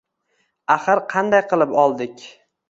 Axir qanday qilib oldik